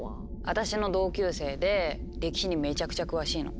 私の同級生で歴史にめちゃくちゃ詳しいの。